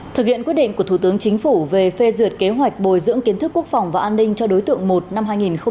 thực hiện quyết định của thủ tướng chính phủ về phê duyệt kế hoạch bồi dưỡng kiến thức quốc phòng và an ninh cho đối tượng một năm hai nghìn hai mươi